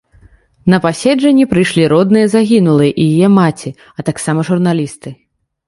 На паседжанне прыйшлі родныя загінулай і яе маці, а таксама журналісты.